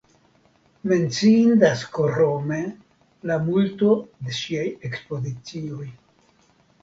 Menciindas krome la multo de ŝiaj ekspozicioj.